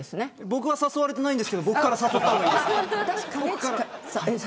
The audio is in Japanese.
僕は誘われてないんですけど僕から誘った方がいいですか。